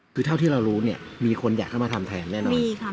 คือเท่าที่เรารู้เนี่ยมีคนอยากเข้ามาทำแทนแน่นอน